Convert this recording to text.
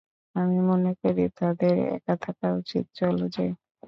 আমি মনে করি তাদের একা থাকা উচিত, চলো যাই।